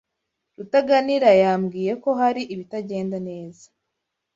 Rutaganira yambwiye ko hari ibitagenda neza.